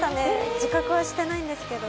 自覚はしてないんですけど。